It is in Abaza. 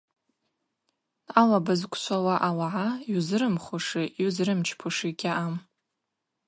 Алаба зквшвауа ауагӏа йузырымхуши йузырымчпуши гьаъам.